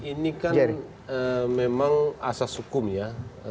ini kan memang asas hukum ya